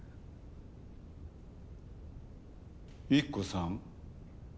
幸子さん。